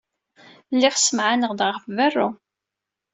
Lliɣ ssemɛaneɣ-d ɣef berru.